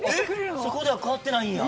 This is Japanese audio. そこでは変わってないんや。